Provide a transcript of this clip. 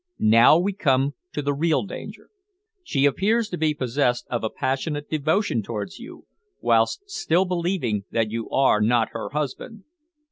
Now we come to the real danger. She appears to be possessed of a passionate devotion towards you, whilst still believing that you are not her husband."